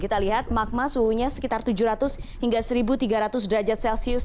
kita lihat magma suhunya sekitar tujuh ratus hingga seribu tiga ratus derajat celcius